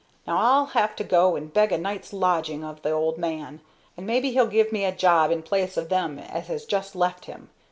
Now I'll have to go and beg a night's lodging of the old man, and maybe he'll give me a job in place of them as has just left him.